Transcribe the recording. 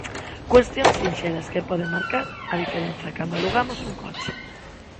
Cuestións sinxelas que poden marcar a diferenza cando alugamos un coche.